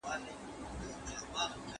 ¬ په پوښتنه لندن پيدا کېږي.